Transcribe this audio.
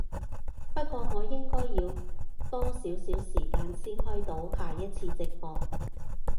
不過我應該要多少少時間先開到下一次直播